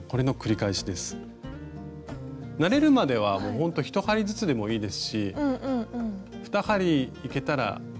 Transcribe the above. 慣れるまではもうほんと１針ずつでもいいですし２針いけたらうれしいかなっていうぐらいです。